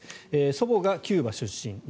祖母がキューバ出身